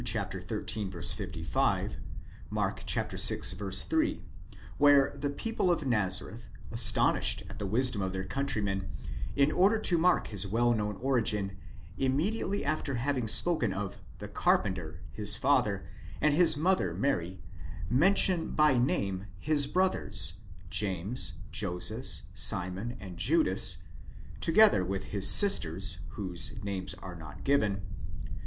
xiii. 55, Mark vi. 3, where the people of Nazareth, astonished at the wisdom of their countryman, in order to mark his well known origin, immediately after having spoken of τέκτων (the carpenter) his father, and his mother Mary, mention by name his ἀδελφοὺς (brothers) James, Joses, Simon, and Judas, together with his sisters whose names are not given